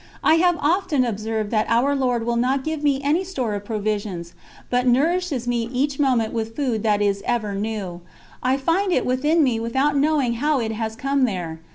I have often observed that Our Lord will not give me any store of provisions, but nourishes me each moment with food that is ever new; I find it within me without knowing how it has come there.